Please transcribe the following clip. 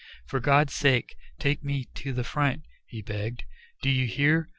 "For God's sake, take me to the front," he begged. "Do you hear?